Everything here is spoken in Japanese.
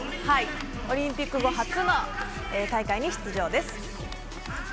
オリンピック後、初の大会に出場です。